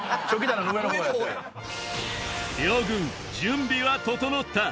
両軍準備は整った